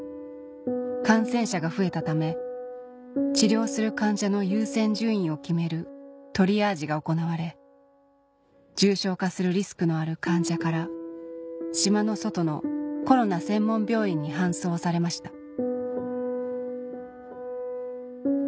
感染者が増えたため治療する患者の優先順位を決めるトリアージが行われ重症化するリスクのある患者から島の外のコロナ専門病院に搬送されました